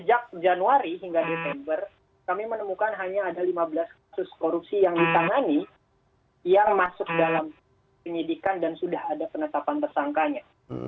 sejak januari hingga desember kami menemukan hanya ada lima belas kasus korupsi yang ditangani yang masuk dalam penyidikan dan sudah ada penetapan tersangkanya